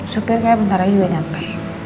supir kayak bentar lagi udah nyampe